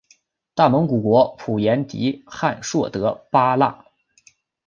大蒙古国普颜笃汗硕德八剌。